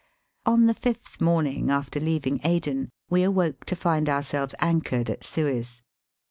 On the fifth morning after leaving Aden we awoke to find ourselves anchored at Suez.